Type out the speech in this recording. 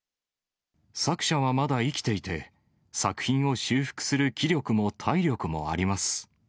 作者はまだ生きていて、作品を修復する気力も体力もあります。